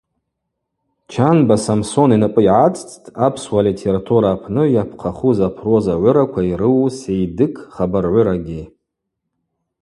Чанба Самсон йнапӏы йгӏацӏцӏтӏ апсуа литература апны йапхъахуз апроза гӏвыраква йрыуу Сейдык хабаргӏвырагьи.